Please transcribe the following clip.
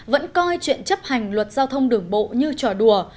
vẫn coi chuyện chấp hành luật giao thông đường bộ như trò đùa